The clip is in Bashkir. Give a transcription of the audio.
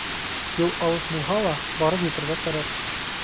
Юл алыҫ булһа ла, барып етергә кәрәк.